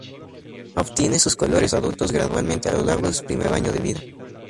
Obtienen sus colores adultos gradualmente a lo largo de su primer año de vida.